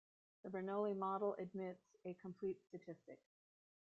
The Bernoulli model admits a complete statistic.